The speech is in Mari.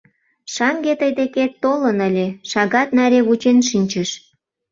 — Шаҥге тый декет толын ыле, шагат наре вучен шинчыш.